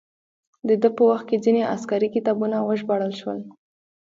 د ده په وخت کې ځینې عسکري کتابونه وژباړل شول.